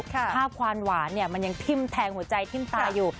ภาพความหวานมันยังทิ้มแทงหัวใจทิ้มตาอยู่